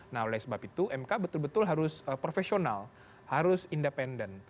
nah oleh sebab itu mk betul betul harus profesional harus independen